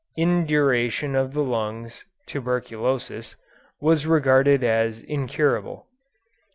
Induration of the lungs (tuberculosis) was regarded as incurable.